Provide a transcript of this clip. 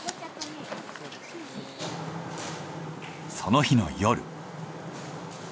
その日の夜。